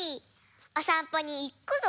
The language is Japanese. おさんぽにいくぞ！